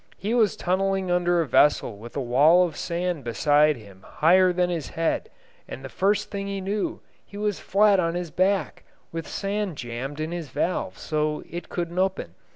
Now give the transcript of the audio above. He was tunneling under a vessel with a wall of sand beside him higher than his head, and the first thing he knew he was flat on his back, with sand jammed in his valve so it couldn't open.